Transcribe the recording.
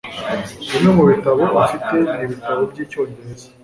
Bimwe mubitabo afite ni ibitabo byicyongereza